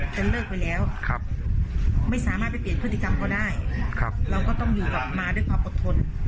จนเลิกไปแล้วครับไม่สามารถไปเปลี่ยนพฤติกรรมเขาได้ครับเราก็ต้องอยู่กับมาด้วยความปกติ